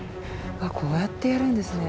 こうやってやるんですね。